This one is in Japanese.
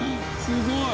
すごい！